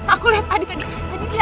aku liat adi tadi